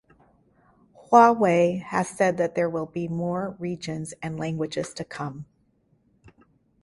Huawei has said that there will be more regions and languages to come.